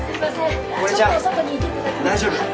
大丈夫。